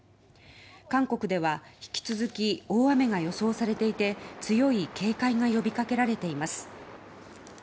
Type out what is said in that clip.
韓国では引き続き大雨が予想されていて強い警戒が呼びかけられています。